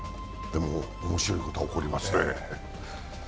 でも、面白いことが起こりますね。